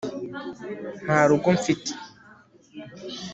nta rugo mfite